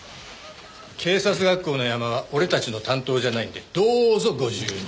警察学校のヤマは俺たちの担当じゃないんでどうぞご自由に。